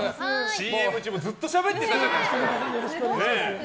ＣＭ中もずっとしゃべってたじゃないですか。